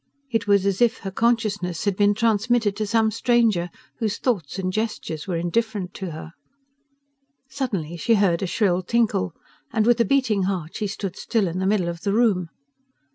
It was as if her consciousness had been transmitted to some stranger whose thoughts and gestures were indifferent to her... Suddenly she heard a shrill tinkle, and with a beating heart she stood still in the middle of the room.